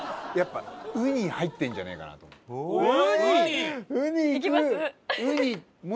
やっぱ雲丹入ってるんじゃないかなと思って。